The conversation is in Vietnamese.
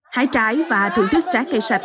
hái trái và thưởng thức trái cây sạch